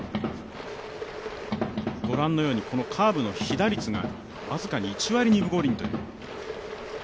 御覧のようにカーブの被打率が僅かに１割２分５厘という。